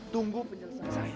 tunggu penjelasan saya